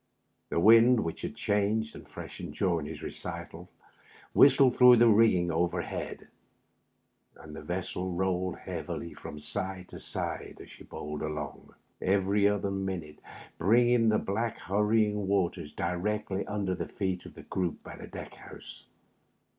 The wind, which had changed and freshened daring his recital, whistled through the rigging overhead, and the vessel rolled heav ily from side to side as she bowled along, every other minnte bring ing the black harrying waters directly under the feet of the group by the deck house.